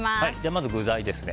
まず具材ですね。